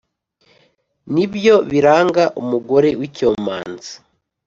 ni byo biranga umugore w’icyomanzi.